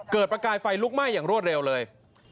ประกายไฟลุกไหม้อย่างรวดเร็วเลย